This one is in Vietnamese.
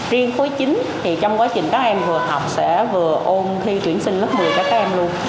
riêng khối chín thì trong quá trình các em vừa học sẽ vừa ôn thi tuyển sinh lớp một mươi các em luôn